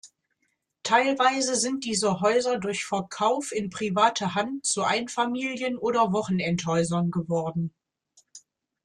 Teilweise sind diese Häuser durch Verkauf in private Hand zu Einfamilien- oder Wochenendhäusern geworden.